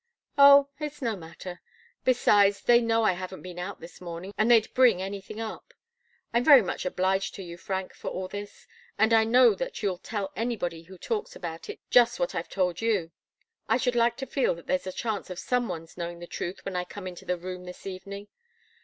"Oh it's no matter. Besides, they know I haven't been out this morning, and they'd bring anything up. I'm very much obliged to you, Frank, for all this. And I know that you'll tell anybody who talks about it just what I've told you. I should like to feel that there's a chance of some one's knowing the truth when I come into the room this evening."